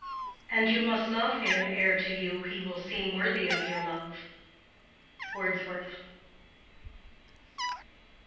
"And you must love him ere to you He will seem worthy of your love." —WORDSWORTH.